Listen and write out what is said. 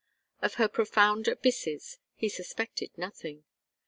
Of her profound aybsses he suspected nothing.